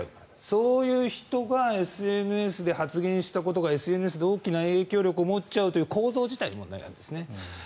そういう人がＳＮＳで発言したことがＳＮＳで大きな影響力を持っちゃうという構造自体に問題があるんですね。